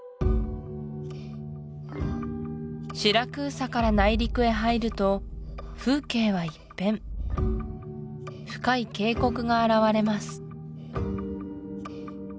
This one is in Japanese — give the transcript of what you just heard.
シラクーサから内陸へ入ると風景は一変深い渓谷が現れます